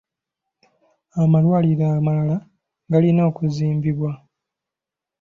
Amalwaliro amalala galina okuzimbibwa.